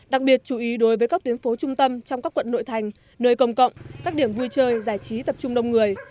đặc biệt chú ý đối với các tuyến phố trung tâm trong các quận nội thành nơi công cộng các điểm vui chơi giải trí tập trung đông người